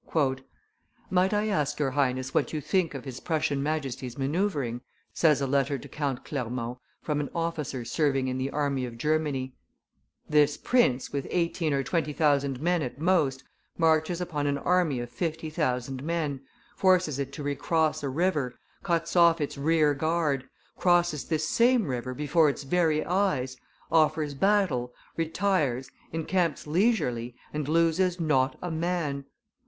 "Might I ask your Highness what you think of his Prussian majesty's manoeuvring?" says a letter to Count Clermont, from an officer serving in the army of Germany; "this prince, with eighteen or twenty thousand men at most, marches upon an army of fifty thousand men, forces it to recross a river, cuts off its rear guard, crosses this same river before its very eyes, offers battle, retires, encamps leisurely, and loses not a man.